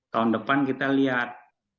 tahun depan kita lihat